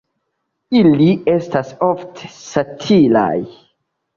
Ili estas ofte satiraj.